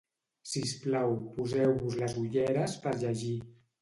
Sisplau, poseu-vos les ulleres per llegir